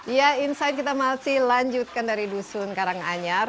ya insight kita masih lanjutkan dari dusun karanganyar